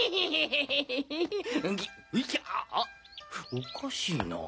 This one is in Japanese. おかしいなあ？